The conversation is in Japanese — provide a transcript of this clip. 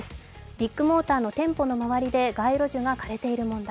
ビッグモーターの店舗の周りで街路樹が枯れている問題。